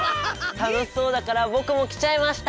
たのしそうだからぼくもきちゃいました！